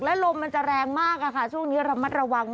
และลมมันจะแรงมากค่ะช่วงนี้ระมัดระวัง